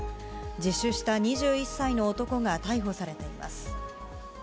自首した２１歳の男が逮捕されています。